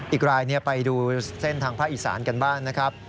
อีกรายไปดูเส้นทางภาคอีสานกันบ้างนะครับ